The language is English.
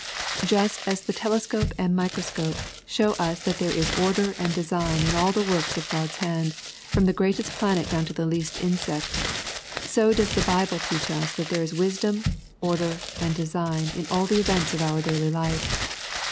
Just as the telescope and microscope show us that there is order and design in all the works of God's hand, from the greatest planet dowii to the least insect, so does the Bible teach us that there is wisdom, order, and design in all the events of our daily life.